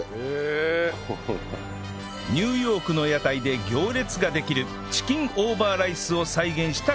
ニューヨークの屋台で行列ができるチキンオーバーライスを再現した釜飯とは？